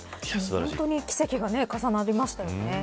本当に奇跡が重なりましたよね。